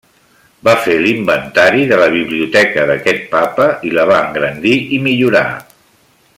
Va fer l'inventari de la Biblioteca d'aquest Papa i la va engrandir i millorar.